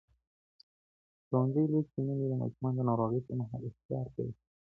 ښوونځې لوستې میندې د ماشومانو د ناروغۍ پر مهال احتیاط کوي.